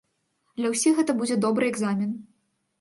Для ўсіх гэта будзе добры экзамен.